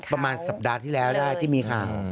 ประมาณสัปดาห์ที่แล้วได้ที่มีข่าว